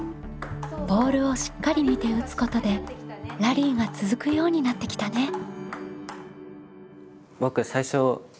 ボールをしっかり見て打つことでラリーが続くようになってきたね。